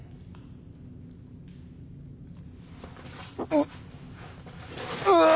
うっうぅ！